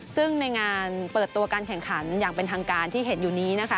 ซึ่งในงานเปิดตัวการแข่งขันอย่างเป็นทางการที่เห็นอยู่นี้นะคะ